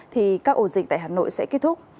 thì các ổ dịch tại hà nội sẽ kết thúc